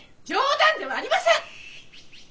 ・冗談ではありません！